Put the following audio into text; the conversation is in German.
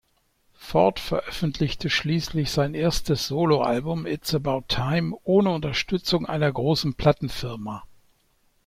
Ford veröffentlichte schließlich sein erstes Soloalbum "It’s About Time" ohne Unterstützung einer großen Plattenfirma.